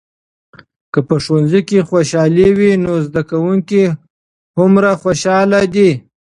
که په ښوونځي کې خوشالي وي، نو زده کوونکي هومره خوشحال دي.